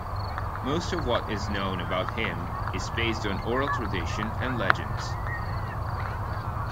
Most of what is known about him is based on oral tradition and legends.